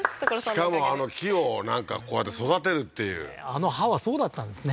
しかも木をなんかこうやって育てるっていうあの葉はそうだったんですね